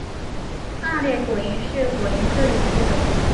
二裂果蝇是果蝇科的一个物种。